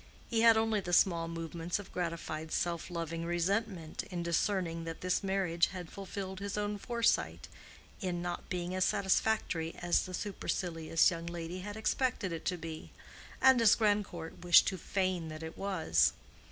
He had only the small movements of gratified self loving resentment in discerning that this marriage had fulfilled his own foresight in not being as satisfactory as the supercilious young lady had expected it to be, and as Grandcourt wished to feign that it was.